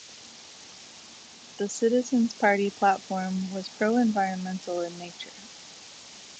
The Citizens Party platform was pro-environmental in nature.